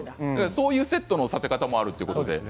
そういうセットのさせ方もあるということですね。